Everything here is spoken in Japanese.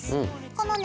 このね